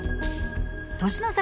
年の差